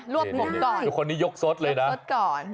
รวบหลงก่อนคนนี้ยกซดเลยนะยกซดก่อน